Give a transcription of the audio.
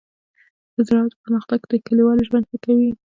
د زراعت پرمختګ د کليوالو ژوند ښه کوي.